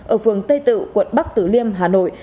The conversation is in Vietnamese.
ở phường tây tự quận bắc tử liêm hà nội